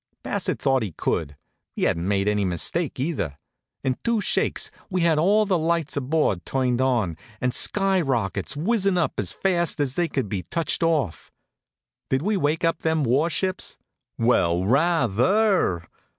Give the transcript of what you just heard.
Bassett thought he could. He hadn't made any mistake, either. In two shakes we had all the lights aboard turned on, and skyrockets whizzin' up as fast as they could be touched off. Did we wake up them warships? Well, rather.